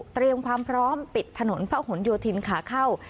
เตรียมความพร้อมปิดถนนพระหลโยธินขาเข้า